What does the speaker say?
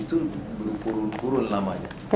itu berukur ukur namanya